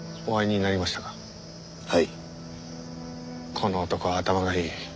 この男は頭がいい。